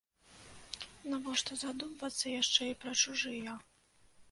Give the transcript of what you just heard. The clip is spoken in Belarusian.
Навошта задумвацца яшчэ і пра чужыя?